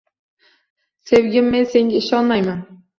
Sevgim, men senga inonmayman